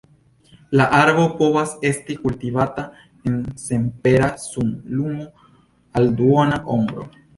La arbo povas esti kultivata en senpera sunlumo al duona ombro.